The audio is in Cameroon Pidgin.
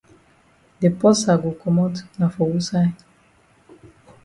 De porsa go komot na for wusaid?